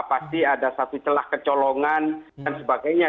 pasti ada satu celah kecolongan dan sebagainya